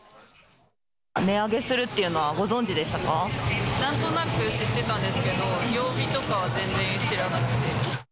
値上げするっていうのはご存なんとなく知ってたんですけど、曜日とかは全然知らなくて。